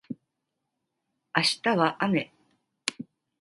明日は雨